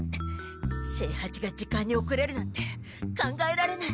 清八が時間に遅れるなんて考えられない。